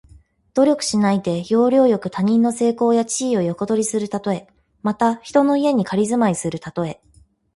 努力しないで、要領よく他人の成功や地位を横取りするたとえ。また、人の家に仮住まいするたとえ。